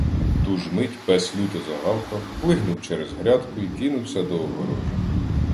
Ту ж мить пес люто загавкав, плигнув через грядку й кинувся до огорожі.